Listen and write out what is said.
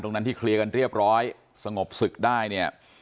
นั้นที่เคลียร์กันเรียบร้อยสงบศึกได้เนี่ย